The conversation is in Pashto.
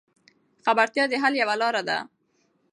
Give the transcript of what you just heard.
خبرتیا د حل یوه لار ده.